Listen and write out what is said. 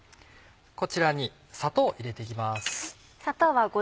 こちらに砂糖を入れて行きます。